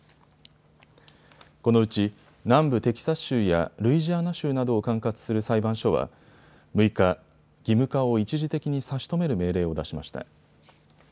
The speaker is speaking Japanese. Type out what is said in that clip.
このうち南部テキサス州やルイジアナ州などを管轄する裁判所は６日、義務化を一時的に差し止める命令を出しました。